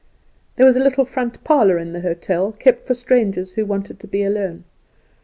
There was a little front parlour in the hotel, kept for strangers who wanted to be alone.